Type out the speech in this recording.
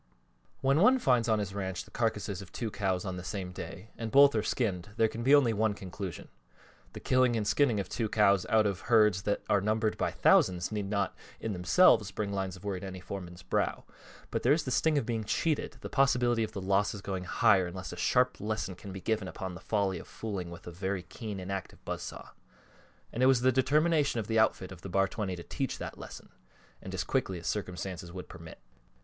WHEN one finds on his ranch the carcasses of two cows on the same day, and both are skinned, there can be only one conclusion. The killing and skinning of two cows out of herds that are numbered by thousands need not, in themselves, bring lines of worry to any foreman's brow; but there is the sting of being cheated, the possibility of the losses going higher unless a sharp lesson be given upon the folly of fooling with a very keen and active buzz saw, and it was the determination of the outfit of the Bar 20 to teach that lesson, and as quickly as circumstances would permit.